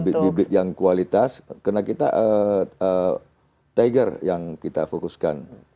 bidang bidang yang kualitas karena kita tiger yang kita fokuskan